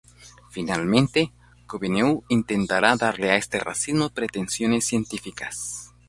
Finalmente, Gobineau intentará darle a este racismo pretensiones científicas.